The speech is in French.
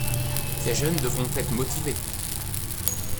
Ces jeunes devront être motivés.